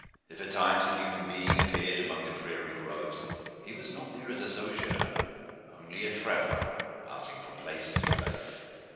If at times a human being appeared among the prairie groves, he was not there as a sojourner only a traveller, passing from place to place.